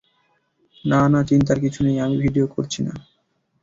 না, না, চিন্তার কিছু নেই, আমি ভিডিও করছি না।